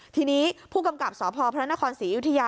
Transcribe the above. ทีนี้ผู้กำกับสพพศศิริยุธิยา